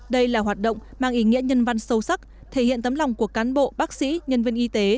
đây là hoạt động mang ý nghĩa nhân văn sâu sắc thể hiện tấm lòng của cán bộ bác sĩ nhân viên y tế